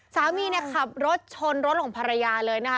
สามีขับรถชนรถหลงภรรยาเลยนะคะ